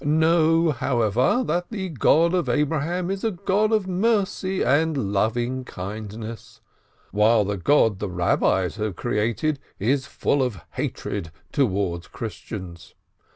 Know, how ever, that the God of Abraham is a God of mercy and lovingkindness, while the God the Rabbis have created is full of hatred towards Christians.